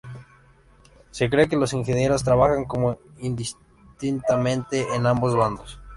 Se cree que los ingenieros trabajan indistintamente en ambos bandos.